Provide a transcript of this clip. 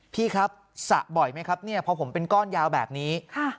พี่ครับสระบ่อยไหมครับเนี่ยพอผมเป็นก้อนยาวแบบนี้